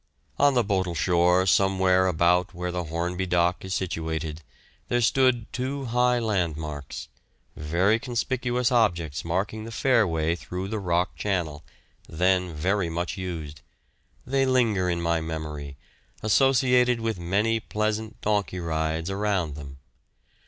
On the Bootle shore, somewhere about where the Hornby dock is situated, there stood two high landmarks very conspicuous objects marking the fairway through the Rock Channel, then very much used; they linger in my memory, associated with many pleasant donkey rides around them.